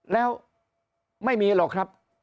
แล้วไม่มีหรอกครับ